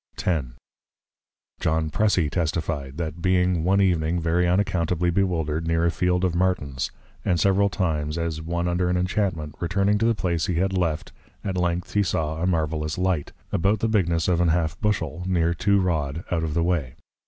X. John Pressy testify'd, That being one Evening very unaccountably Bewildred, near a Field of Martins, and several times, as one under an Enchantment, returning to the place he had left, at length he saw a marvellous Light, about the bigness of an Half bushel, near two Rod, out of the way.